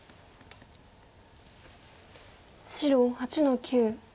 白８の九。